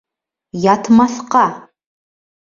— Ятмаҫҡа!